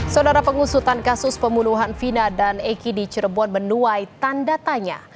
saudara pengusutan kasus pembunuhan vina dan eki di cirebon menuai tanda tanya